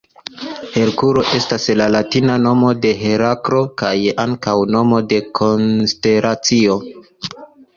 Herkulo estas la latina nomo de Heraklo kaj ankaŭ nomo de konstelacio.